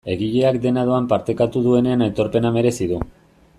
Egileak dena doan partekatu duenean aitorpena merezi du.